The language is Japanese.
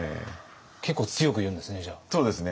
結構強く言うんですね？